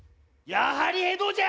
やはり江戸じゃ！